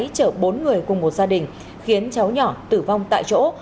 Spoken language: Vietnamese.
chở bốn người cùng một gia đình khiến cháu nhỏ tử vong tại chỗ